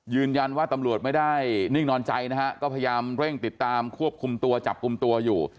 ตำรวจไม่ได้นิ่งนอนใจนะฮะก็พยายามเร่งติดตามควบคุมตัวจับกลุ่มตัวอยู่